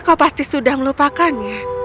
kau pasti sudah melupakannya